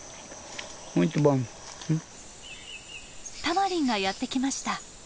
タマリンがやって来ました。